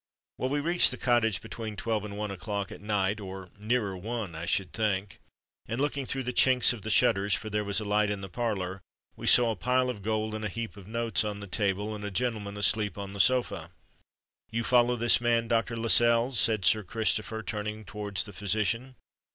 Well, we reached the Cottage between twelve and one o'clock at night—or nearer one, I should think—and looking through the chinks of the shutters, for there was a light in the parlour, we saw a pile of gold and a heap of notes on the table, and a gentleman asleep on the sofa." "You follow this man, Dr. Lascelles?" said Sir Christopher, turning towards the physician.